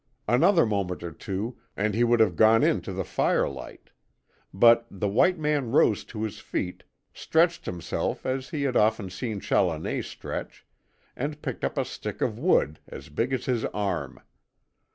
Another moment or two and he would have gone into the firelight. But the white man rose to his feet, stretched himself as he had often seen Challoner stretch, and picked up a stick of wood as big as his arm.